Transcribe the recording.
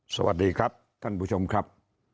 สวัสดีครับท่านผู้ชมครับ